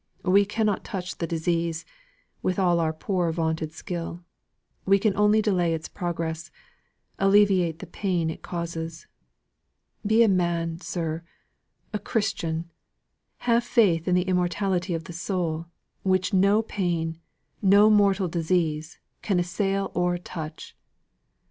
We cannot touch the disease, with all our poor vaunted skill. We can only delay its progress alleviate the pain it causes. Be a man, sir a Christian. Have faith in the immortality of the soul, which no pain, no mortal disease, can assail or touch!"